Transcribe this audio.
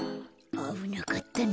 あぶなかったな。